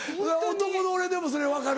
男の俺でもそれ分かる。